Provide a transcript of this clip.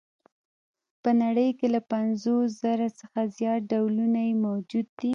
په نړۍ کې له پنځوس زره څخه زیات ډولونه یې موجود دي.